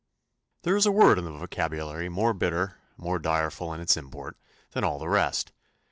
There is a word in the vocabulary more bitter, more direful in its import, than all the rest.